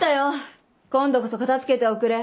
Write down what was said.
今度こそ片づけておくれ。